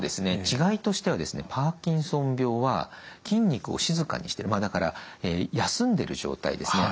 違いとしてはパーキンソン病は筋肉を静かにしてるまあだから休んでる状態ですね